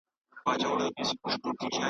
چي په محفل کي شمع ووینم بورا ووینم .